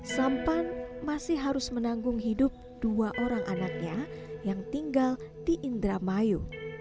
sampan masih harus menanggung hidup dua orang anaknya yang tinggal di indramayu